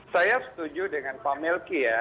saya setuju dengan pak melki ya